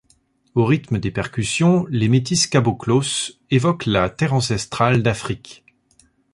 Au rythme des percussions, les métis caboclos évoquent la terre ancestrale d'Afrique.